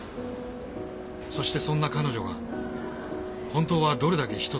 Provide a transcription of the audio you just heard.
そしてそんな彼女が本当はどれだけ人としゃべりたいか。